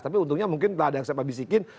tapi untungnya mungkin tak ada yang siapa bisikin